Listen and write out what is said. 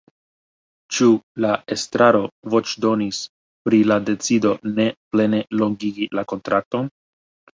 Ĉu la estraro voĉdonis pri la decido ne plene longigi la kontrakton?